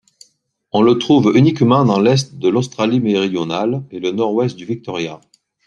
On le trouve uniquement dans l'est de l'Australie-Méridionale et le nord-ouest du Victoria.